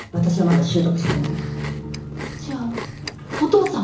じゃあお父さん？